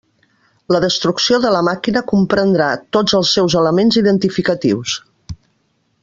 La destrucció de la màquina comprendrà tots els seus elements identificatius.